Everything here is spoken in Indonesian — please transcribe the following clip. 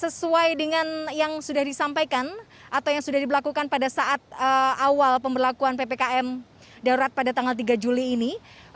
sesuai dengan yang sudah disampaikan atau yang sudah diberlakukan pada saat awal pemberlakuan ppkm darurat pada tanggal tiga juli ini